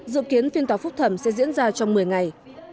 dự kiến phiên tòa phúc thẩm sẽ diễn ra trong một mươi ngày